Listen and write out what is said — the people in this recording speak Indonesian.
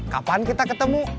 kapan kita ketemu